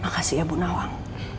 makasih ya ibu nawang